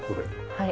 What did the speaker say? はい。